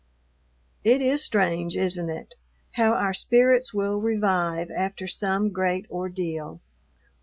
It is strange, isn't it? how our spirits will revive after some great ordeal.